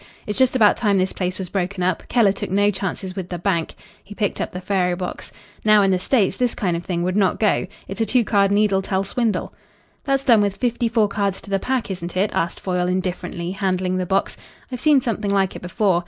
It's just about time this place was broken up. Keller took no chances with the bank." He picked up the faro box. "Now, in the States this kind of thing would not go. It's a two card needle tell swindle." "That's done with fifty four cards to the pack, isn't it?" asked Foyle indifferently, handling the box. "I've seen something like it before.